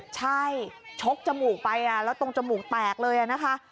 ใช่ชกจมูกไปแล้วตรงจมูกแตกเลยนะคะ